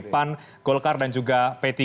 pan golkar dan juga p tiga